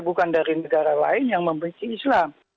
bukan dari negara lain yang membenci islam